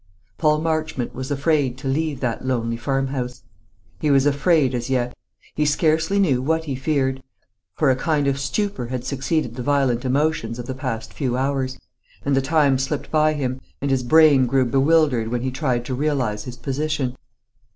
Paul Marchmont was afraid to leave that lonely farmhouse. He was afraid as yet. He scarcely knew what he feared, for a kind of stupor had succeeded the violent emotions of the past few hours; and the time slipped by him, and his brain grew bewildered when he tried to realise his position.